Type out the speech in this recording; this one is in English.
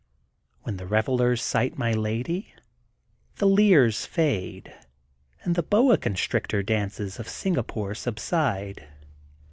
When the revellers sight my lady, the leers fade, and the boa constrictor dances of Singa pore subside.